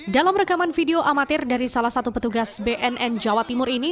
dalam rekaman video amatir dari salah satu petugas bnn jawa timur ini